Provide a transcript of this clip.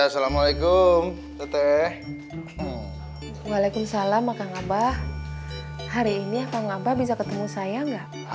assalamualaikum teteh waalaikumsalam maka ngabah hari ini apa ngabah bisa ketemu saya enggak